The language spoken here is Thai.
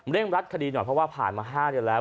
เรื่องรัฐคดีหน่อยเพราะว่าผ่านมา๕เดี๋ยวแล้ว